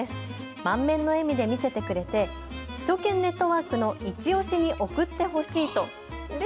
満面の笑みで見せてくれて首都圏ネットワークのいちオシに送ってほしいと。